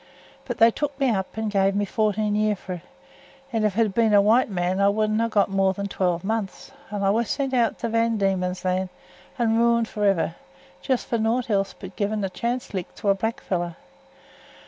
But they took me up, and gev me fourteen year for it; and if it had been a white man I wouldn't ha' got more than twelve months, and I was sent out to Van Diemen's Land and ruined for ever, just for nowt else but giving a chance lick to a blackfellow.